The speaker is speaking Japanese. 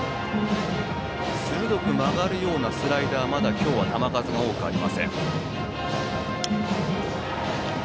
鋭く曲がるようなスライダーは、まだ今日は球数が多くありません。